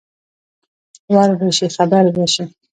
ور به شې خبر به شې.